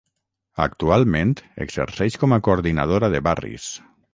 Actualment exerceix com a coordinadora de barris.